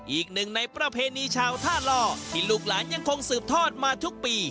อีกหนึ่งในประเพณีชาวท่าล่อที่ลูกหลานยังคงสืบทอดมาทุกปี